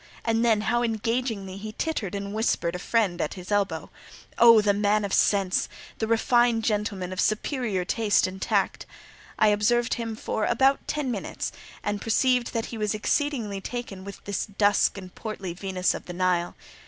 and then, how engagingly he tittered and whispered a friend at his elbow! Oh, the man of sense! Oh, the refined gentleman of superior taste and tact! I observed him for about ten minutes, and perceived that he was exceedingly taken with this dusk and portly Venus of the Nile.